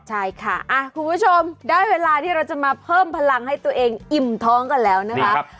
ใช่ค่ะคุณผู้ชมได้เวลาที่เราจะมาเพิ่มพลังให้ตัวเองอิ่มท้องกันแล้วนะครับ